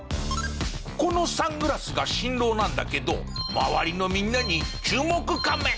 このサングラスが新郎なんだけど周りのみんなに注目カメ！